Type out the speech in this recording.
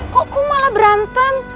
kok malah berantem